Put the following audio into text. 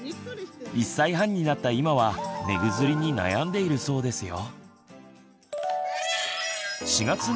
１歳半になった今は寝ぐずりに悩んでいるそうですよ。